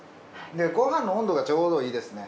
ご飯の温度がちょうどいいですね。